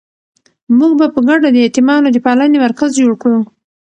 موږ به په ګډه د یتیمانو د پالنې مرکز جوړ کړو.